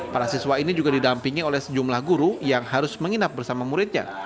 para siswa ini juga didampingi oleh sejumlah guru yang harus menginap bersama muridnya